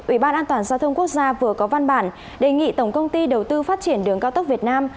ủy ban an toàn giao thông quốc gia vừa có văn bản đề nghị tổng công ty đầu tư phát triển đường cao tốc việt nam